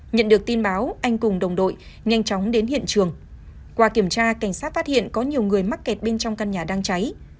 nhận được tin báo anh cùng đồng đội nhanh chóng đến hiện trường qua kiểm tra cảnh sát phát hiện có nhiều người mắc kẹt bên trong căn nhà đang cháy